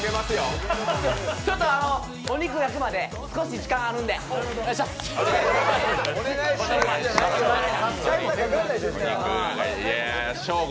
ちょっとお肉焼くまで少し時間ありますんで、オネシャス。